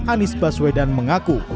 anies baswedan mengaku